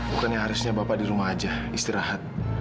bukan yang harusnya bapak di rumah aja istirahat